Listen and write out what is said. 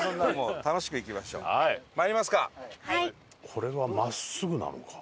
これは真っすぐなのかな？